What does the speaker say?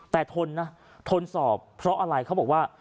แต่ทนนะทนสอบเพราะอะไรเขาบอกว่า